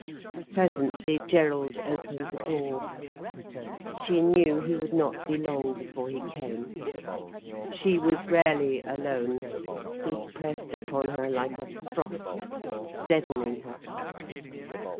Presently Gerald opened the door. She knew he would not be long before he came. She was rarely alone, he pressed upon her like a frost, deadening her.